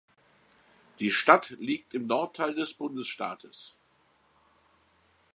Die Stadt liegt im Nordteil des Bundesstaates.